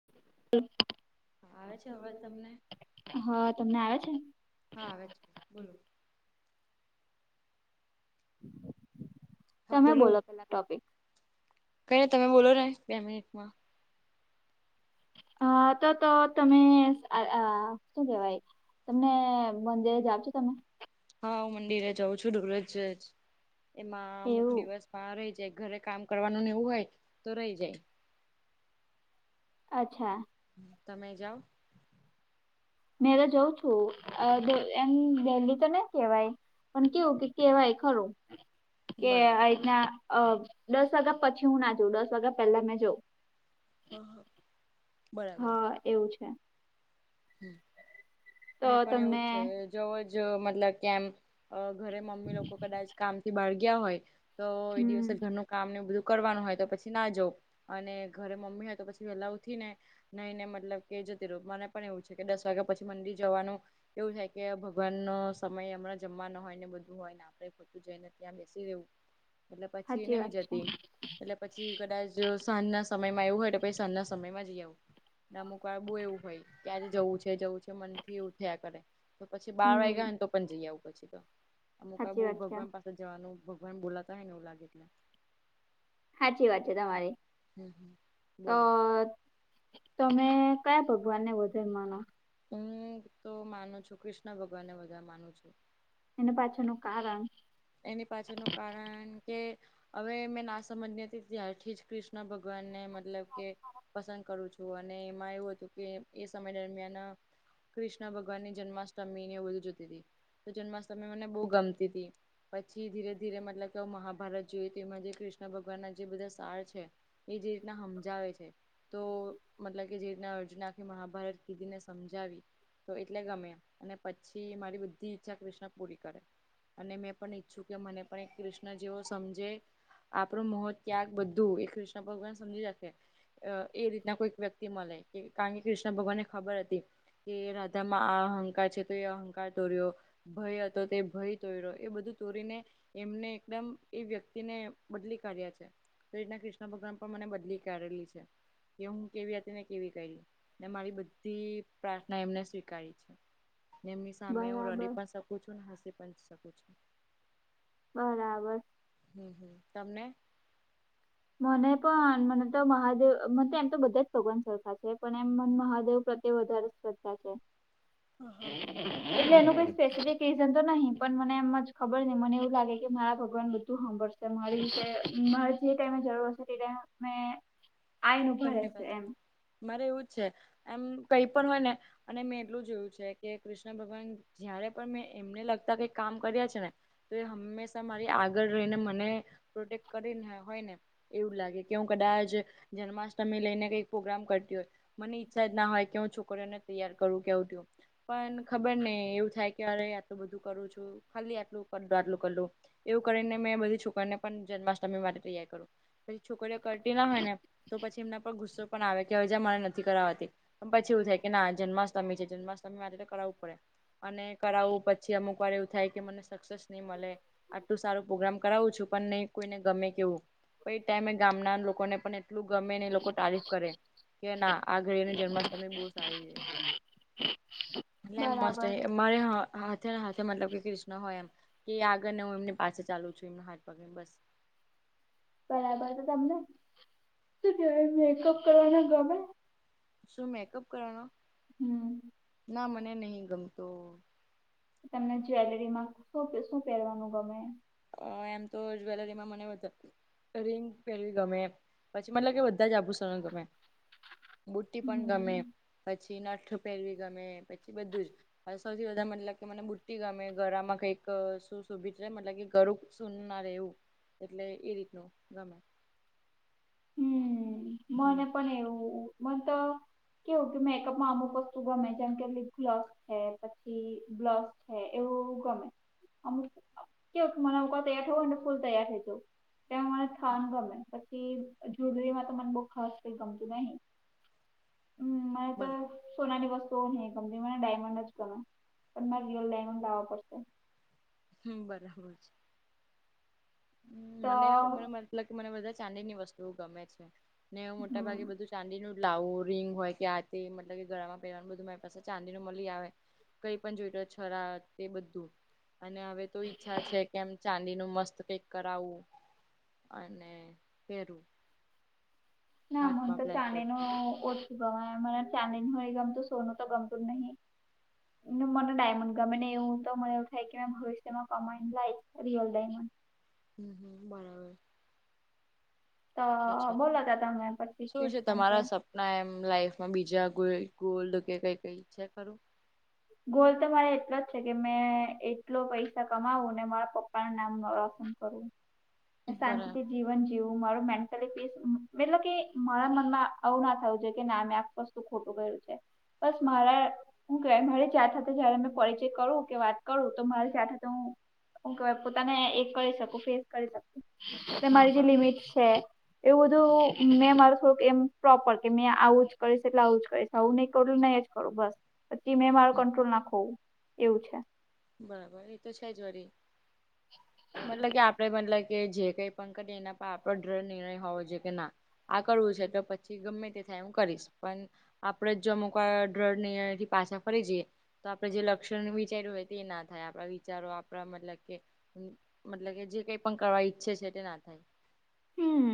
[inaudible] આવે છે આવાજ તમને? હા તમને આવે છે? હા આવે છે બોલો? હા તમે બોલો પેલા ટોપિક. પેલા તમે બોલો ને બે મિનિટમાં. હા તો તો તમે આ આ શું કેવાય? તમને મંદિરે જાવ છો તમે? હા હું મંદિરે જાઉં છું દરરોજ જ એમાં અમુક એવું દિવસમાં રહી જાય ઘરે કામ કરવાનું ને એવું હોય તો રહી જાય. અચ્છા તમે જાઓ? મેં તો જઉં છું એમ ડેઇલી તો નહી કેવાય. પણ કેવું કે કેવાય ખરું કે આ બરાબર રીતના અ દસ વાગ્યા પછી હું ના જઉ દસ વાગ્યા પહેલા મેં જઉ. હ હા બરાબર હા એવું છે. તો મેં પણ તમને એવું છે જોવો જ મતલબ કે આમ અ ઘરે મમ્મી લોકો કદાચ કામ થી બાર ગયા હોય તો એ હમ દિવસે ઘરનું કામ ને એવું બધું કરવાનું હોય તો પછી ના જાવ અને ઘરે મમ્મી હોય તો પછી વેલા ઉઠી ને નઈને મતલબ કે જતી રવ મને પણ એવું છે કે દસ વાગ્યા પછી મંદિર જવાનું કેવું છે કે ભગવાન નો સમય હમણાં જમવાનો હોય ને બધું હોય આપડે ખોટું જઈને ત્યાં બેસી રહવું એટલે પછી સાચી નહી વાત છે જતી. એટલે પછી કદાચ સાંજના સમયમાં એવું હોય તો પછી સાંજના સમયમાં જઈ આવું. અમુક વાર બવ એવું હોય. ક્યારે જવું છે જવું છે મનથી ઉઠ્યા કરે તો પછી બાર વાગ્યા હમ હોય ને તો પણ જઈ આવું પછી તો અમુક સાચી બહુ વાત છે ભગવાન પાસે જવાનું ભગવાન બોલાતા હોય ને એવું લાગે એટલે હાચી વાત છે તમારી. હમ. હમ. તો બોલો તમે કયા ભગવાનને વધારે માનો? હું તો માનું છું કૃષ્ણ ભગવાનને વધારે માનું છું. એને પાછળનું કારણ? એની પાછળનું કારણ કે હવે મેં ના સમજની હતી ત્યારથી જ કૃષ્ણ ભગવાનને મતલબ કે પસંદ કરું છું અને એમાં એવું હતું કે એ સમય દરમિયાન કૃષ્ણ ભગવાનની જન્માષ્ટમી ને એ બધું જોતી હતી તો જન્માષ્ટમી મને બહુ ગમતી હતી. પછી ધીરે ધીરે મતલબ કે મહાભારત જોઈ તી એમાં જે કૃષ્ણ ભગવાન ના જે બધા સાર છે. એ જે રીતના હમજાવે છે તો મતલબ કે જે રીતના અર્જુન ના મહાભારત કીધીને સમજાવી તો એટલે ગમ્યા અને પછી મારી બધી ઈચ્છા કૃષ્ણ પૂરી કરે અને મેં પણ ઈચ્છું કે મને પણ એક કૃષ્ણ જેવો સમજે- આપણું મોહ ત્યાગ બધું એ કૃષ્ણ ભગવાન સમજી હકે. એ રીતના કોઈક વ્યક્તિ મળે કે કારણ કે કૃષ્ણ ભગવાનને ખબર હતી કે રાધામાં આ અહંકાર છે તો એ અહંકાર તોર્યો ભય હતો તો ભય તોર્યો એ બધું ચોરીને એમને એકદમ એ વ્યક્તિ ને બદલી કાઢ્યા છે. તો એ રીતના કૃષ્ણ ભગવાન પણ મને બદલી કાઢેલી છે. કે હું કેવી હતી ને કેવી થઈ ને મારી બધી બધી પ્રાર્થના એમને સ્વીકારી છે એમની સામે હુ બરાબર રડી પણ શકું કછું ના હાસે પંચી શકુ છું બરાબર. હમ હમ તમને મને પણ મને તો મહાદેવ મ એમ તો બધા જ ભગવાન સરખા છે પણ એમ મ મહાદેવ પ્રત્યે વધારે શ્રદ્ધા છે. હા હા એટલે એનું કોઈ સ્પેસિફિક રીઝન તો નહી પણ મને એમમાં જ ખબર નહી મને એવું લાગે કે મારા ભગવાન બધું હાભળશે મારી જે મારી જે ટાઈમે જરૂર હશે તે ટાઈમે મે ધનેવાદ [inaudible] મારે એવું જ છે એમ કઈ પણ હોય ને અને મેં એટલું જોયું છે કે કૃષ્ણ ભગવાન જયારે પણ મેં એમને લાગતા કંઈક કામ કર્યા છે ને તો એ હંમેશા મારી આગળ રહીને મને પ્રોટેક્ટ કરીને હોય ને એવું લાગે કે હું કદાચ જન્માષ્ટમી લઈને કઈક પ્રોગ્રામ કરતી હોય મને ઈચ્છા જ ના હોય કે હું છોકરીઓને તૈયાર કરું કેવું કેવું પણ ખબર નહી એવું થાય કે અરે આટલું બધું કરું છું ખાલી આટલું કર આટલું કરું એવું કરીને મેં બધી છોકરીને પણ જન્માષ્ટમી માટે તૈયાર કરું પછી છોકરીઓ કરતી ના હોય ને તો પછી એમના પર ગુસ્સો પણ આવે કે હવે જા મને નથી કરાવાતી પણ પછી એવું થાય કે ના જન્માષ્ટમી છે જન્માષ્ટમી માટે તો કરાવવું પડે. અને કરાવવું પછી અમુક વાર એવું થાય કે મને સક્સેસ નહી મળે આટલું સારું પ્રોગ્રામ કરાવું છું પણ નહી કોઈને ગમે કેવું પ ઈ એ ટાઈમે ગામના લોકોને પણ એટલું ગમે ને એ લોકો તારીફ કરે. કે ના આ ઘરેની જન્માષ્ટમી બહુ સારી છે એટલે મસ્ત બરાબર મારે હા હાથે ને હાથે મતલબ કે ક્રૃષ્ણ હોય એમ કે આગળને હું એમની પાછળ ચાલુ છું એમ હાથ પકડી ને બસ બરાબર, તો તમને શું કેવાય મેકઅપ કરવાનો ગમે? શું મેકઅપ કરવાનો? હમ ના મને નહી ગમતો. તમને જ્વેલરીમાં શુ-શું પહેરવાનું ગમે? અ એમ તો જ્વેલરીમાં મને રિંગ પહેરવી ગમે. પછી મતલબ કે બધા જ આભૂષણો ગમે, બુટી પણ હમ ગમે. પછી નથ પહેરવી ગમે પછી બધું જ. સૌથી વધારે મતલબ કે મને બુટી ગમે, ગળામાં કઈક શું શોભીધ મતલબ ગળુ સૂન ના રહેવું એટલે એ રીતનું ગમે. હમ, હમ મારે પણ એવું. મન તો કેવું કે મેકઅપમાં અમુક વસ્તુ ગમે, જેમ કે લીપ ગ્લોસ છે પછી બ્લોસ છે એવું ગમે. અમુક કેવું ક મને કોક વાર તૈયાર થવું ને ફૂલ તૈયાર થઈ જવું એ મને હા થાવાનું ગમે. પછી જુલરીમાં તો મને બહુ ખાસ કઈ ગમતું નહીં. મને તો બરાબર સોનાની વસ્તુઓ નહી ગમતી મને ડાયમંડ જ ગમે. પણ મારે રિયલ ડાયમંડ લાવવા પડશે. હમ્મ બરાબર છે. હમ તો મને- મને મતલબ કે મને બધા ચાંદીની વસ્તુઓ ગમે છે ને મોટાભાગે હમ બધું જ ચાંદીનું જ લાવું રિંગ હોય કે આ તે મતલબ કે ગળામાં પહેરવાનું બધું મારી પાસે ચાંદી નુ મલી આવે. કઈ પણ જોઈતુ હોય છરા તે બધું. અને હવે તો ઈચ્છા છે કે એમ ચાંદી નું મસ્ત કંઈક કરાવું અને પેરું. ના મન તો બ્રેસલેટ ચાંદીનું ઓછું ગમે. મને ચાંદી નહી ગમતું સોનું તો ગમતું જ નહી. મને ડાયમંડ ગમેને એવું તો મને એવું થાય કે મે ભવિષ્યમાં કમાઈને લાઈશ રિયલ ડાયમંડ. હમ- હમ બરાબર. તો બોલો તો તમે પચીસ ત્રીસ ટકે ના એમ લાઈફમાં બીજા કોઈ ગોલ્ડ કે કંઈ છે ખરું? ગોલ તો મારો એટલો જ છે કે મે એટલા પૈસા કમાઉં અને મારા પપ્પાનું નામ રોશન કરું. અને બરા શાંતિથી જીવન જીવવું મારું મેન્ટલી પીસ મતલબ કે મારા મનમાં આવું ના થવું જોયે કે મેં કશુ ખોટું કર્યું છે બસ મારા હું કેવાય મારે જ તારી સાથે જ્યારે હું પરિચય કરું કે વાત કરું તમારી સાથે તો હું ઓકે, પોતાને એક કરી શકું, ફેસ કરી શકું. હા મારી જે હા લિમિટ છે. એવું બધું મેં મારું થોડુંક એમ પ્રોપર કે મેં આવું જ કરીશ એટલે આવું જ કરીશ. આવું નહીં કરું ને એ જ કરું. બસ, પછી મારો કંટ્રોલ ના ખોઉં એવું છે. બરાબર, એ તો છે જ વરી. મતલબ કે આપણે બદલાઈ કે જે કંઈ પણ કરીયે એના પર આપણો દ્રઢ નિર્ણય હોવો જોઈએ કે ના. આ કરવું છે તો પછી ગમે તે થાય, હું કરીશ. પણ આપણે જો અમુક આ દૃઢ નિર્ણયો થી પાછા ફરી જઈએ, તો આપણે જે લક્ષ્ય વિચાર્યું હોય તે ના થાય, આપણા વિચારો આપણા મતલબ કે મતલબ કે જે કંઈ પણ કરવા ઈચ્છીએ છીએ તે ના થાય. હમ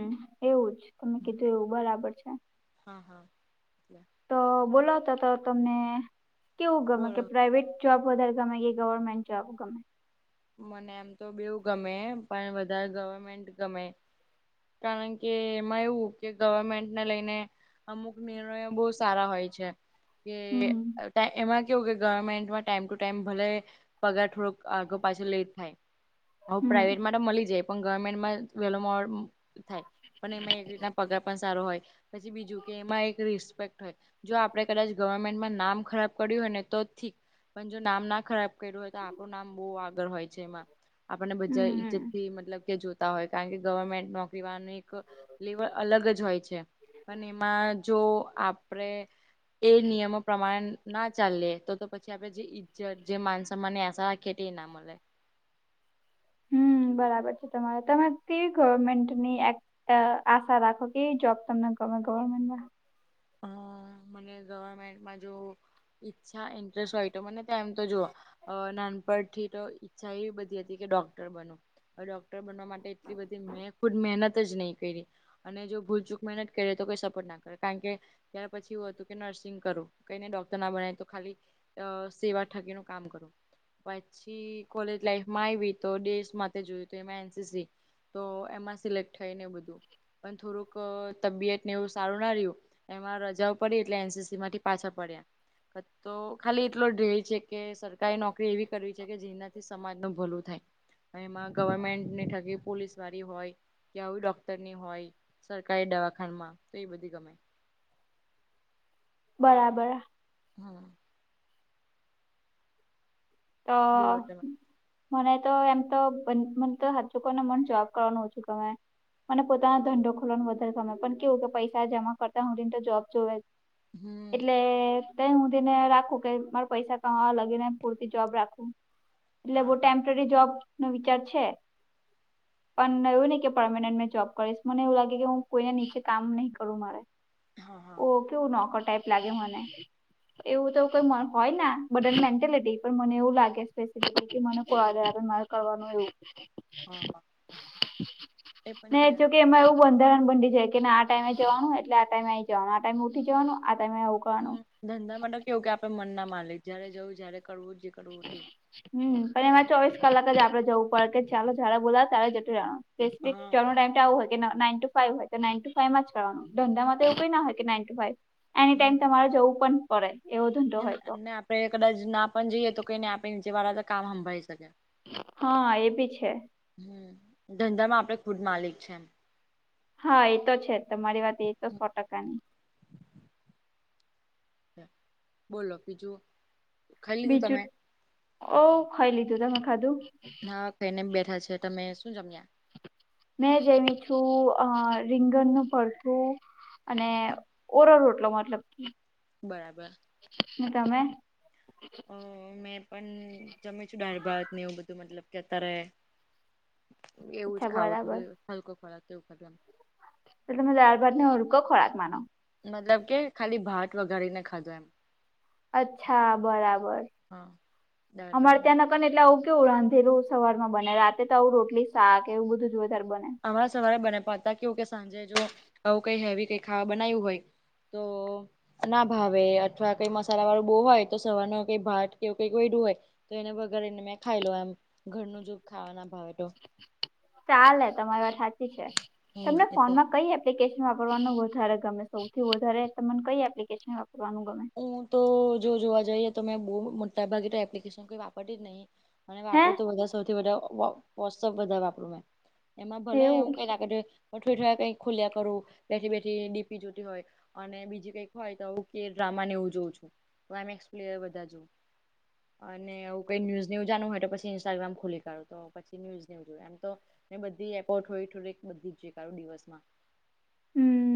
એવું જ. તમે કીધું એવું બરાબર છે. હા હા. એટલે તો બોલાવતા તો તમને કેવું ગમે, કે બોલો પ્રાઇવેટ? જોબ વધારે ગમે કે ગવર્નમેન્ટ જોબ ગમે. મને એમ તો બેઉ ગમે, પણ વધારે ગવર્નમેન્ટ ગમે. કારણ કે એમાં એવું કે ગવર્નમેન્ટને લઈને અમુક નિયમો બહુ સારા હોય છે હમ કે એમાં એવું કે ગવર્નમેન્ટમાં ટાઈમ ટુ ટાઈમ ભલે પગાર થોડોક આગળ-પાછળ લેટ થાય. ઓમ હમ પ્રાઇવેટમાં તો મળી જાય, પણ ગવર્નમેન્ટમાં વહેલો મોડું થાય. પણ એમાં એક રીતે પગાર પણ સારો હોય. પછી બીજું કે, એમાં એક રિસ્પેક્ટ હોય. જો આપણે કદાચ ગવર્નમેન્ટમાં નામ ખરાબ કર્યું હોય ને, તો ઠીક પણ જો નામ ના ખરાબ કર્યું હોય, તો આપણું નામ બહુ આગળ હોય છે એમાં આપણને બધા હમ ઈજ્જતથી મતલબ કે, જોતા હોય કારણ કે ગવર્નમેન્ટનો [unintelligible] એક લેવલ અલગ જ હોય છે. પણ એમાં જો આપણે એ નિયમો પ્રમાણે ના ચાલીએ તો તો પછી આપણે જે ઈજ્જત, જે માન-સન્માન [unintelligible] ના મલે હમ્મ, બરાબર છે તમારે કી ગવર્નમેન્ટની એક એ આશા રાખો કે જોબ તમને ગમે ગવર્નમેન્ટ મા મને ગવર્નમેન્ટમાં જોબ કરવાની ઈચ્છા અને ઇન્ટરેસ્ટ હોય, તો મને તો એમ તો જો અ નાનપણથી તો ઈચ્છા એવી બધી હતી કે ડોક્ટર બનું હવે ડોક્ટર બનવા માટે મેં એટલી બધી મે ખુદ મહેનત જ નહીં કયરી અને જો ભૂલચૂક મહેનત કરે તો કોઈ સપોર્ટ ન કરે કારણ કે ત્યારે પછી એવું હતું કે નર્સિંગ કરું કઈ નઈ ડોક્ટર ન બનાય તો ખાલી એ, સેવા થકીનું કામ કરું. પછી કોલેજ લાઈફમાં આવી, તો દેશ માટે જોયુ તો એમાં એનસીસી તો એમાં સિલેક્ટ થઈ અને બધું પણ થોડુંક તબિયતને એવું સારું ન રહ્યું. એમાં રજાઓ પડી એટલે એનસીસી એમાંથી પાછા પડ્યા. તો ખાલી એટલું ધ્યેય છે કે સરકારી નોકરી એવી કરવી છે કે જેનાથી સમાજનું ભલું થાય. એમાં ગવર્નમેન્ટની પોલીસની હોય કે આવી ડોક્ટરની હોય. સરકારી દવાખાનામાં તો એવી બધી ગમે. બરાબર, હા તો બોલો તમે મને તો એમ તો મનતો હાચુ કઉ ને મને જોબ કરવાનું ઓછું ગમે. મને પોતાનો ધંધો ખોલવાનો વધારે ગમે પણ કેવું કે પૈસા જમા કરતા હુધી ન તો જોબ જોવે જ. હમ એટલે તહીં હુધી ને રાખું કે મારે પૈસા કમાવા લાગે ને એ પૂરતી જોબ રાખું એટલે હા બહુ હા ટેમ્પરરી જોબ નો વિચાર છે. પણ એવું નહી કે મેં પરમેનેન્ટ મેં જોબ કરીશ મને એવું લાગે કે હું કોઈને નીચે કામ નહીં કરું મારે. હા હા ઓકે કેવું નોકર ટાઈપ લાગે મને એવું તો કોઈ મ હોય ના બધાની મેન્ટેલિટી પણ મને એવું લાગે સ્પેસફિકલી કે મને પાલર મારે કરવાનું એવું. હા હા એ પણ ને છે જોકે એમાં એવું બંધારણ બંધાઈ જાય કેને આ ટાઈમે જવાનું એટલે આ ટાઈમે આઈ જવાનું આ ટાઈમેં ઉઠી જવાનું આ ટાઈમે કરવાનું હમ્મ, ધંધા માં તો કેવું કે આપડે મન ના માલિક જયારે જવું જયારે કરવું જે કરવું ઠીક. હમ્મ, પણ એમાં ચોવીસ કલાક જ આપડે જવું પડે કે ચાલો જયારે બોલાવે ત્યારે જતું રેવાનું. સ્પેસિફીક હા. ત્યાં નો ટાઈમ તો આવો હોય કે નાઇન ટુ ફાઈવ હોય. નાઈન ટુ ફાઈવમાં જ કરવાનું ધંધામાં તો એવું કઈ ના હોય કે nine to five any time તમારે જવું પણ પડે. એવો ધંધો હોય [unintelligible] તો અને આપડે કદાચ ના પણ જઈએ તો કઈ નઈ આપણે નીચે વાળા તો કામ સંંભાળી શકે. હા એબી છે. હમ ધંધામાં આપણે ખુદ માલિક છે એમ. હા એ તો છે તમારી વાત એ તો સો ટકાની બોલો બીજું ખાઈ લીધું તમે બીજું ઓ ખાઈ લીધું તમે ખાધું. હા કઈ નહી એમ બેઠા છે તમે શું જમ્યા? મેં જેમી છું અ રીંગણનું ભરતું અને ઓરો રોટલો મતલબ કી બરાબર ને તમે અ મેં પણ જમી છું દાળ ભાતને એવું બધું મતલબ કે અત્યારે એવું જ અચ્છા ખાવું બરાબર તું હલકો ખોરાક કે એવું ખાધું એમ. એટલે તમે દાળ ભાત ને હલકો ખોરાક માનો મતલબ કે ખાલી ભાત વઘારીને ખાધો એમ અચ્છા બરાબર હા દાળ ભાત અમારે ને ત્યાં ના પણ એટલે આવું કેવું રાંધેલું સવાર માં બને રાતે તો આવું રોટલી શાક એવું બધું જ વધારે બને. અમાર સવારે બને પણ અત્યારે કેવું કે સાંજે જો આવું કઈ હેવી કઈ ખાવા બનાયુ હોય. તો ના ભાવે અથવા કઈ મસાલા વાળું બોવ હોય તો સવાર નો કઈ ભાત કે આવું કંઈક વયધુ હોય. તો એને વઘારીને મેં ખાઈ લવ એમ ઘરનું જ ખાવાના ભાવે તો. ચાલે તમારી વાત સાચી છે હમ તમને ફોન એટલે માં કઈ એપ એપ્લિકેશન વાપરવાનું વધારે ગમે સૌથી વધારે તમને કઈ એપ્લિકેશન વાપરવાનું ગમે? હું તો જો જોવા જઈએ તો મેં બહુ મોટાભાગે તો એપ્લિકેશન કોઈ વાપરતી જ નહીં. અને હે વાપરું તો વધારે સૌથી વધારે વો વૉટ્સએપ વધારે વાપરું મેં. એમાં ભલે હું એવું કઈ ના કહેતી હો [unintelligible] કઈક ખુલ્યા કરું બેઠી બેઠી ડી. પી જોતી હોય અને બીજી કઈક હોય તો ઉકેર ડ્રામા ને એવું જોઉ છું તો એમ. એક્સ. પ્લેયર વધારે જોઉં. [inaudible] અને એવું કઈ ન્યૂઝ ને એવું જાણવું હોય તો પછી ઇન્સ્ટાગ્રામ ખોલી કાઢું તો પછી ન્યૂઝ ને એવું જોય એમ તો ને બધી એપો થોડી થોડી બધી જ જોઈ કાઢું દિવસ માં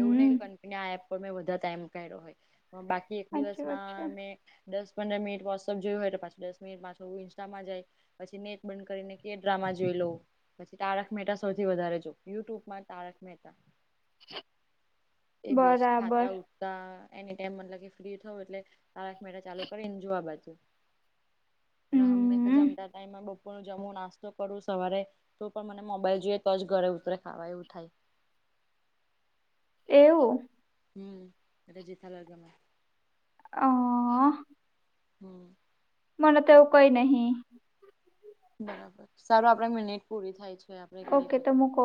એવું નહીં કે કંપની કે એપ પર મેં બધું કામ કર્યું હોય બાકી એક સાચી વાત છે દિવસમાં મેં દસ-પંદર મિનિટ વોટ્સએપ જોયું હોય તો પાછું દસ મિનિટ ઇન્સ્ટામાં જાય પછી નેટ બંધ કરીને કે ડ્રામા જોઈ લો. પછી તારક મહેતા સૌથી વધારે જોઉં યુટ્યુબમાં તારક મહેતા. હમમ એ બેસ ખાતાં-ઉઠતાં એની ટાઈમ મતલબ કે ફ્રી થાઉં એટલે તારક મહેતા ચાલુ કરીને જોવા બેસું હંમેશાં હમ જમતા ટાઈમે. જમું નાસ્તો કરું સવારે તો પણ મને મોબાઈલ જોઈએ તો જ ગળે ઊતરે ખાવા એવું થાય. એવું. હમમ મને જેઠાલાલ ગમે આ હા હમમ મને તો એવું કંઈ નહીં બરાબર સારું આપણી મિનિટ પૂરી થાય છે એમ ઓકે તો મૂકો